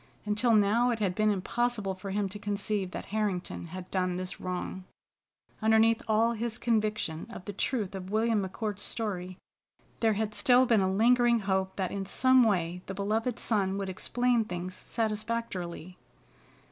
Until now it had been impossible for him to conceive that Harrington had done this wrong. Underneath all his conviction of the truth of William McCord's story, there had still been a lingering hope that in some way the beloved son would explain things satisfactorily.